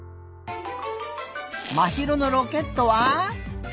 まひろのロケットは？